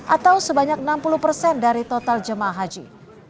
atau sebanyak enam puluh persen dari total jemaah haji